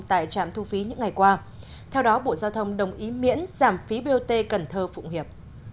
tại trạm thu phí những ngày qua theo đó bộ giao thông đồng ý miễn giảm phí bot cần thơ phụng hiệp